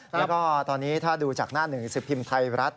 แล้วก็ตอนนี้ถ้าดูจากหน้าหนึ่งสิบพิมพ์ไทยรัฐ